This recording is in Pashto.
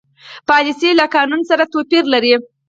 پالیسي له قانون سره توپیر لري.